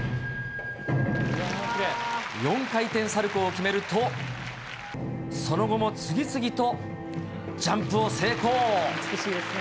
４回転サルコーを決めると、その後も次々とジャンプを成功。